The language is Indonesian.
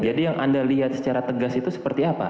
jadi yang anda lihat secara tegas itu seperti apa